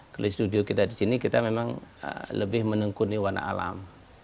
kalau setuju kita di sini kita memang lebih menengkuni warna alam